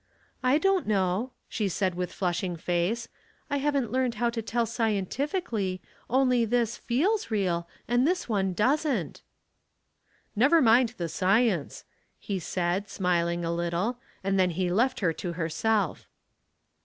'^ I don't know," she said, with flushing face. *' I haven't learned how to tell scientifically, only this feels real, and this one doesii't.^^ "Never mind the science," he said, smiling a little, and then he left her to herself.